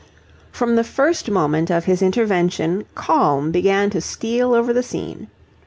From the first moment of his intervention calm began to steal over the scene.